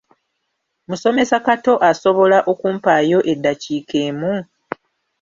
Musomesa Kato osobola okumpaayo eddakiika emu?